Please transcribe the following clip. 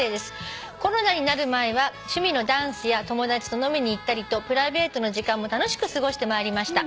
「コロナになる前は趣味のダンスや友達と飲みに行ったりとプライベートの時間も楽しく過ごしてまいりました」